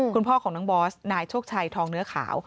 คุณพ่อของน้องบอสนายโชคชัยทองเนื้อขาว